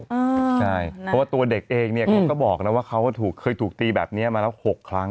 ใช่เพราะว่าตัวเด็กเองเนี่ยเขาก็บอกนะว่าเขาเคยถูกตีแบบนี้มาแล้ว๖ครั้ง